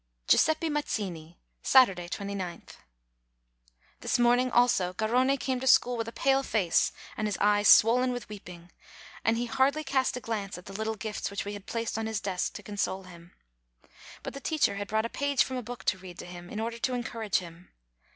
GIUSEPPE MAZZINI Saturday, 29th. This morning, also, Garrone came to school with a pale face and his eyes swollen with weeping, and he "' GIUSEPPE M AZZINI 237 hardly cast a glance at the little gifts which we had placed on his desk to console him. But the teacher had brought a page from a book to read to him, in order to encourage him.